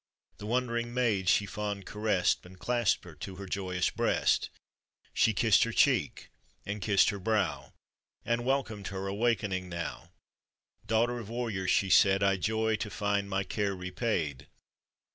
The wondering maid she fond caressed, And clasped her to her joyous breast; She kissed der cheek, and kissed her brow, And welcomed her awakening now —" Daughter of warriors,'' she said, " I joy to find my care repaid."